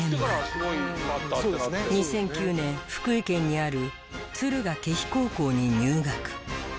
２００９年福井県にある敦賀気比高校に入学。